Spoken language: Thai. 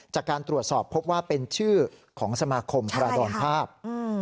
จากการตรวจสอบพบว่าเป็นชื่อของสมาคมธรดรภาพ